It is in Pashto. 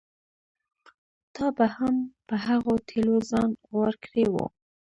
تا به هم په هغو تېلو ځان غوړ کړی و.